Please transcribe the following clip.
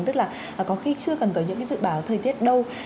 tức là có khi chưa cần tới những cái dự báo thời tiết đâu